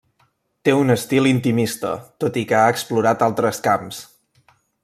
Té un estil intimista, tot i que ha explorat altres camps.